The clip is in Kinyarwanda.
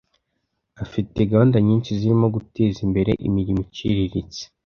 afite gahunda nyinshi zirimo guteza imbere imirimo iciriritse